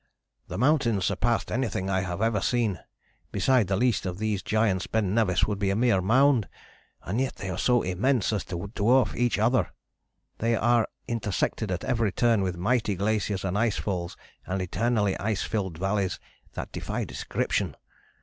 "The mountains surpassed anything I have ever seen: beside the least of these giants Ben Nevis would be a mere mound, and yet they are so immense as to dwarf each other. They are intersected at every turn with mighty glaciers and ice falls and eternally ice filled valleys that defy description.